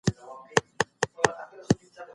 افغانستان له نړیوالو ادارو سره همږغي نه ساتي.